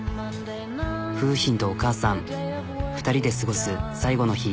楓浜とお母さん２人で過ごす最後の日。